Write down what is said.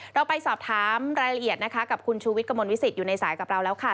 เราไปสอบถามรายละเอียดนะคะกับคุณชูวิทย์กระมวลวิสิตอยู่ในสายกับเราแล้วค่ะ